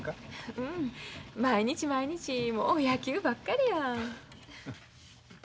うん毎日毎日もう野球ばっかりや。